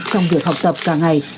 trong việc học tập cả ngày